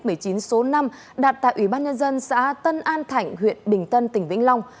chốt kiểm soát covid một mươi chín số năm đạt tại ủy ban nhân dân xã tân an thảnh huyện bình tân tỉnh vĩnh long